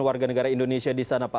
warga negara indonesia di sana pak